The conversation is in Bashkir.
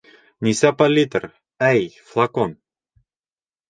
Нисә поллитр, әй, флакон?